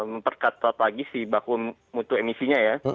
memperketat lagi si baku mutu emisinya ya